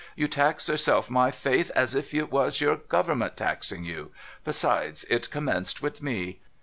You tax yourself, my faith ! as if you was your Government taxing you ! Besides, it commenced with me.